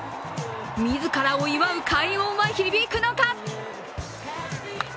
自らを祝う快音は響くのか。